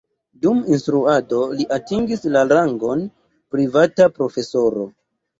Dum instruado li atingis la rangon privata profesoro.